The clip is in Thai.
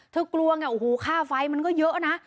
กลัวไงโอ้โหค่าไฟมันก็เยอะนะ